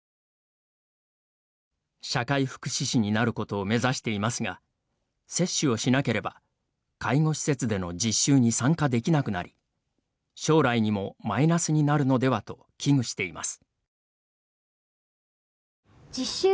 社会福祉士になることを目指していますが接種をしなければ、介護施設での実習に参加できなくなり将来にもマイナスになるのではと危惧しています。